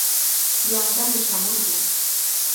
Yanqalla shamurquu.